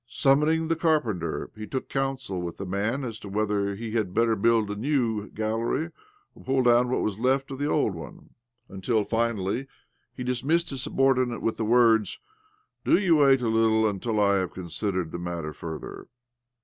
Summoning the carpenter, he took counsel with the man as to whether he had better build a new gallery or pull down what was left of the old one ; tmtil finally he dismissed his subordinate with the words, " Do you wait a little until I have considered the matter further."